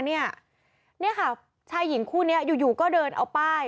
นี่ค่ะชายหญิงคู่นี้อยู่ก็เดินเอาป้าย